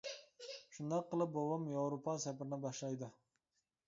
شۇنداق قىلىپ بوۋام ياۋروپا سەپىرىنى باشلايدۇ.